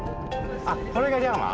あっこれがリャマ？